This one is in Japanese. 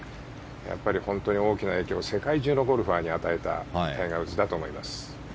やっぱり、本当に大きな影響を世界中のゴルファーに与えたタイガー・ウッズだと思います。